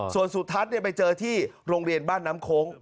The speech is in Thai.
ส่วนสุทัศน์ไปเจอที่โรงเรียนบ้านน้ำโค้ง